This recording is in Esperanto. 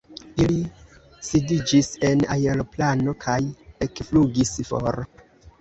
Ili sidiĝis en aeroplano kaj ekflugis for.